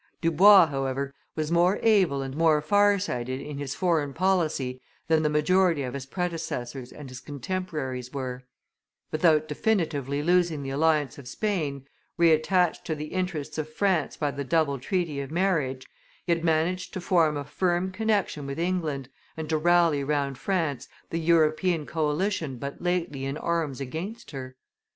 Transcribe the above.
Dubois, however, was more able and more farsighted in his foreign policy than the majority of his predecessors and his contemporaries were; without definitively losing the alliance of Spain, re attached to the interests of France by the double treaty of marriage, he had managed to form a firm connection with England, and to rally round France the European coalition but lately in arms against her.